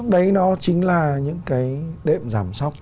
đấy nó chính là những cái đệm giảm sốc